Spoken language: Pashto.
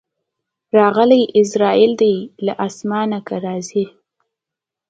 راغلی عزراییل دی له اسمانه که راځې